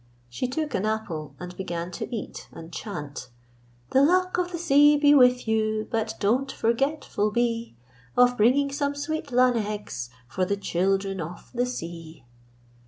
She took an apple and began to eat and chant: The luck o' the sea be with you, but don't forgetful be Of bringing some sweet lan' eggs for the children of the sea.